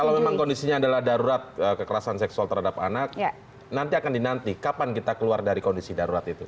kalau memang kondisinya adalah darurat kekerasan seksual terhadap anak nanti akan dinanti kapan kita keluar dari kondisi darurat itu